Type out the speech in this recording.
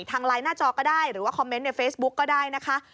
ทางไลน์หน้าจอก็ได้หรือว่าคอมเมนต์ในเฟซบุ๊กก็ได้นะคะ